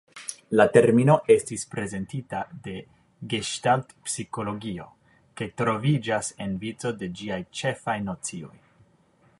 La termino estis prezentita de geŝtalt-psikologio kaj troviĝas en vico de ĝiaj ĉefaj nocioj.